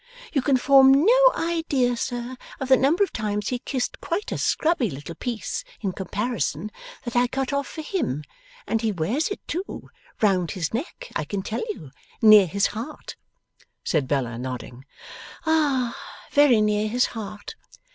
You can form no idea, sir, of the number of times he kissed quite a scrubby little piece in comparison that I cut off for HIM. And he wears it, too, round his neck, I can tell you! Near his heart!' said Bella, nodding. 'Ah! very near his heart!